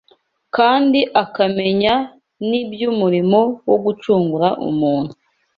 kandi akamenya n’iby’umurimo wo gucungura umuntu